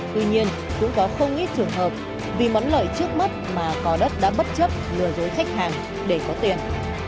tuy nhiên cũng có không ít trường hợp vì món lợi trước mắt mà cò đất đã bất chấp lừa dối khách hàng để có tiền